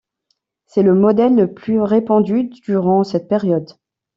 C'est le modèle le plus répandu durant cette période.